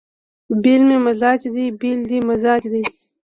بېل مې مزاج دی بېل دې مزاج دی